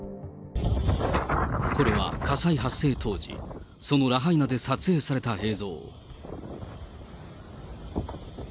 これは火災発生当時、そのラハイナで撮影された映像。